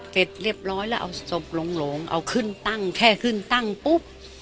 เสร็จเรียบร้อยแล้วเอาศพหลงเอาขึ้นตั้งแค่ขึ้นตั้งปุ๊บ